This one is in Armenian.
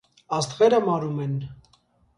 Աստղերը մարում են։